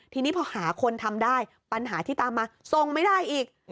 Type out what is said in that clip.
ทีนี้พอหาคนทำได้ปัญหาที่ตามมาทรงไม่ได้อีก